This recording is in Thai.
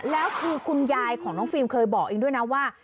แล้วคือคุณยายของน้องฟิล์มเคยบอกเองด้วยนะว่า